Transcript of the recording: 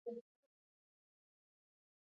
زردالو د افغانستان د چاپیریال ساتنې لپاره مهم دي.